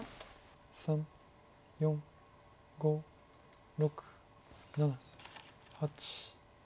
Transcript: ３４５６７８。